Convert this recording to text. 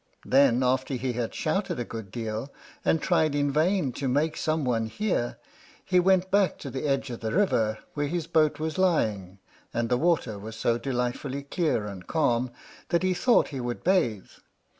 Then, after he had shouted a good deal, and tried in vain to make some one hear, he went back to the edge of the river where his boat was lying, and the water was so delightfully clear and calm, that he thought he would bathe.